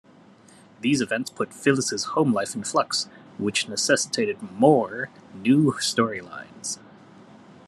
These events put Phyllis' home life in flux, which necessitated more new story lines.